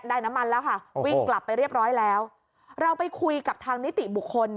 น้ำมันแล้วค่ะวิ่งกลับไปเรียบร้อยแล้วเราไปคุยกับทางนิติบุคคล